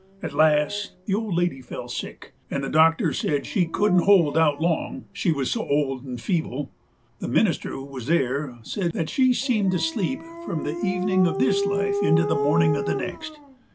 At last the old lady fell sick, and the doctor said she couldn't hold out long, she wuz so old 'nd feeble. The minister who wuz there said that she seemed to sleep from the evenin' uv this life into the mornin' uv the next.